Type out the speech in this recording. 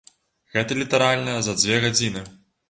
Гэта літаральна за дзве гадзіны.